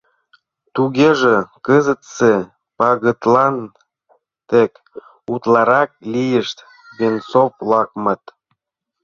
Тугеже, кызытсе пагытлан тек утларак лийышт Венцов-влакмыт».